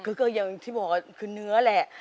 คือก็อย่างที่บอกคือเนื้อแหละ